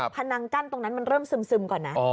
พนังกั้นตรงนั้นมันเริ่มซึมก่อนนะ